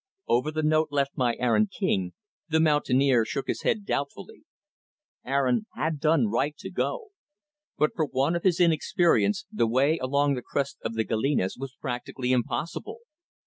Over the note left by Aaron King, the mountaineer shook his head doubtfully. Aaron had done right to go. But for one of his inexperience, the way along the crest of the Galenas was practically impossible.